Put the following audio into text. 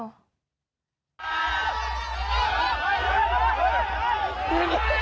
โอ้โห